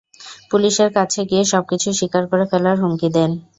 পুলিশের কাছে গিয়ে সবকিছু স্বীকার করে ফেলার হুমকি দেন।